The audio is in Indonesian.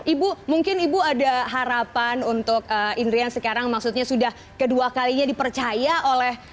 ibu mungkin ibu ada harapan untuk indrian sekarang maksudnya sudah kedua kalinya dipercaya oleh